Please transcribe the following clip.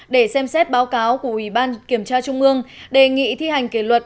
để xem xét báo cáo của ủy ban kiểm tra trung ương đề nghị thi hành kỷ luật